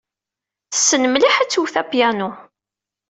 Tessen mliḥ ad twet apyanu.